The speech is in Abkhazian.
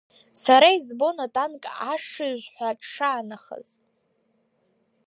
Сара избон атанк ашыжәҳәа аҿшаанахаз.